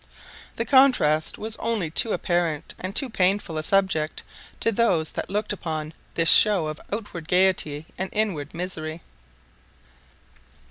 The contrast was only too apparent and too painful a subject to those that looked upon this show of outward gaiety and inward misery.